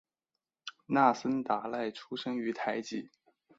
那森达赖出身台吉。